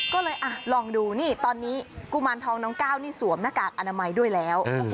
ก็เลยลองดูนี่ตอนนี้กุมารทองน้องก้าวนี่สวมหน้ากากอนามัยด้วยแล้ว